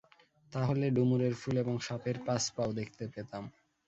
তা হলে ডুমুরের ফুল এবং সাপের পাঁচ পাও দেখতে পেতাম।